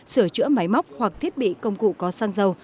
sửa chữa máy móc hoặc thiết bị công cụ có xăng dầu